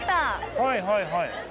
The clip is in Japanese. はいはいはい。